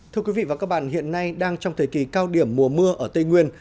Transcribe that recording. thưa quý vị và các bạn hiện nay đang trong thời kỳ cao điểm mùa mưa ở tây nguyên